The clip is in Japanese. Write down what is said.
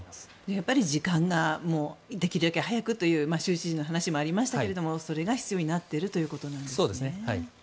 やっぱり時間ができるだけ早くという州知事の話もありましたがそれが必要になっているんですね。